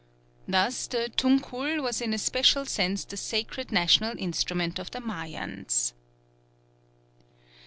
Thus the tunkul was in a special sense the sacred national instrument of the Mayans.